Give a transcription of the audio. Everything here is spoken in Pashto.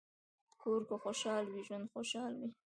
کور که خوشحال وي، ژوند خوشحال وي.